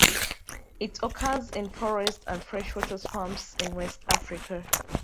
It occurs in forest and freshwater swamps in West Africa.